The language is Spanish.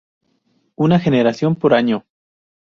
Una generación por año.